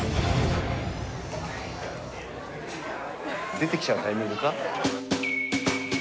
出てきちゃうタイミングか？